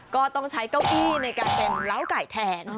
ก็ต้องใช้เก้าอี้ในการเป็นล้าวไก่แทน